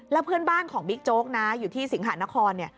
แล้วเพื่อนบ้านของบิ๊กโจ๊กนะอยู่ที่สิงหานคร